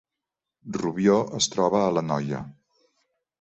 Rubió es troba a l’Anoia